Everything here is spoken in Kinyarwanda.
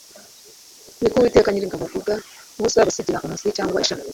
ni ko Uwiteka Nyiringabo avuga, ntuzabasigira umuzi cyangwa ishami.